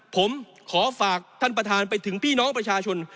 ผมขอฝากท่านประธานไปถึงพี่น้องประชาชน